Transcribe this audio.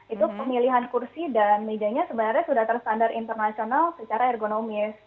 itu pemilihan kursi dan mejanya sebenarnya sudah terstandar internasional secara ergonomis